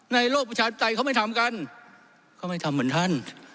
โลกประชาธิปไตยเขาไม่ทำกันเขาไม่ทำเหมือนท่าน